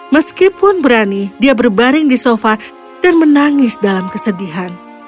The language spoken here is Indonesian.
meskipun berani dia berbaring di sofa dan menangis dalam kesedihan